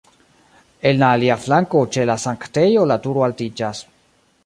En la alia flanko ĉe la sanktejo la turo altiĝas.